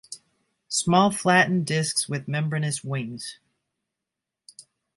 Small flatten discs with membranous wings.